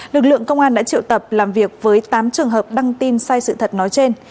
lực lượng công an đã triệu tập làm việc với tám trường hợp đăng tin sai sự thật nói trên